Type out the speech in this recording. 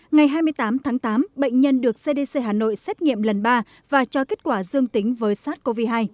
ngày hai mươi tám tháng tám bệnh nhân được cdc hà nội xét nghiệm lần ba và cho kết quả dương tính với sars cov hai